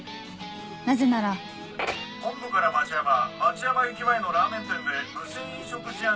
なぜなら本部から町山町山駅前のラーメン店で無銭飲食事案